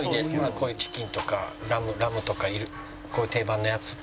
こういうチキンとかラムとかこういう定番のやつプラス